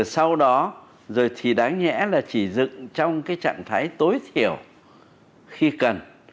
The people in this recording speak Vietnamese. sau đó rồi thì đáng nhẽ là chỉ dựng trong trạng thái tối thiểu khi cần